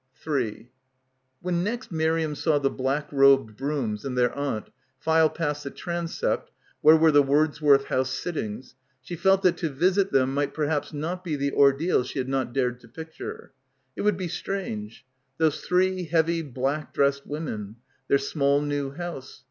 o When next Miriam saw the black robed Brooms and their aunt file past the transept where were the Woodsworth House sittings, she felt that to visit them might perhaps not be the ordeal she had not dared to picture. It would be strange. Those three heavy black dressed women. Their small new house.